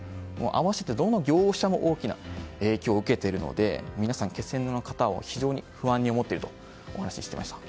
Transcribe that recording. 併せて、どの業者も大きな影響を受けているので気仙沼の方は非常に不安に思っているとお話していました。